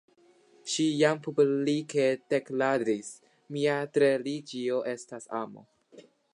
Ŝi jam publike deklaris, «mia religio estas amo».